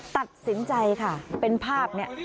ตัดสินใจค่ะเป็นภาพเนี่ย